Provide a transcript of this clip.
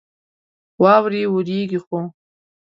واورې اوريږي ،خو